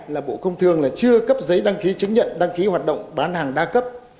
là bộ công thương là chưa cấp giấy đăng ký chứng nhận đăng ký hoạt động bán hàng đa cấp